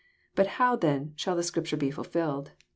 But how, then, shall the Scripture be fulfilled?"